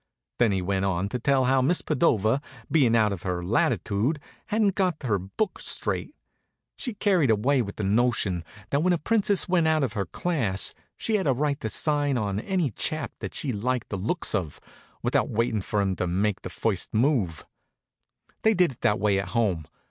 Then he went on to tell how Miss Padova, being out of her latitude, hadn't got her book straight. She'd carried away the notion that when a Princess went out of her class she had a right to sign on any chap that she liked the looks of, without waitin' for him to make the first move. They did it that way at home.